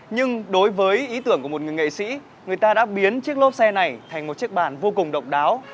nhưng đối với ý tưởng của một người nghệ sĩ người ta đã biến chiếc lốp xe này thành một chiếc bàn vô cùng độc đáo